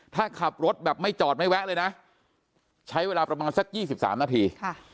ถ้าขับรถแบบไม่จอดไม่แวะเลยนะใช้เวลาประมาณสัก๒๓นาที